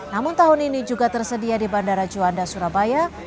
namun tahun ini juga tersedia di bandara juanda surabaya